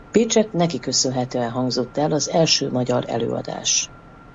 Pécsett neki köszönhetően hangzott el az első magyar előadás.